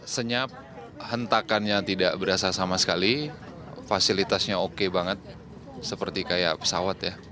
senyap hentakannya tidak berasa sama sekali fasilitasnya oke banget seperti kayak pesawat ya